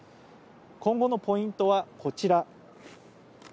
今後のポイントはこちら。